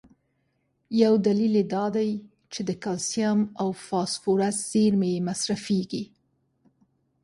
یو دلیل یې دا دی چې د کلسیم او فاسفورس زیرمي یې مصرفېږي.